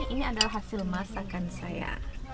ini adalah hasil masakan saya